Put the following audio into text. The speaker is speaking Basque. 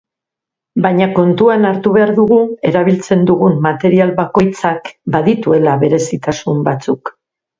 Baina kontuan hartu behar dugu erabiltzen dugun material bakoitzak badituela berezitasun batzuk.